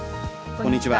こんにちは。